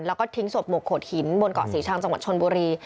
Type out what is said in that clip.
แล้วก็ทิ้งศพหมกโขดหินบนเกาะศรีชังจังหวัดชนบุรี